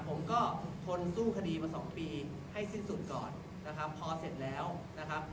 ผมก็ทนสู้คดีมาสองปีให้สิ้นสุดก่อนนะครับพอเสร็จแล้วนะครับ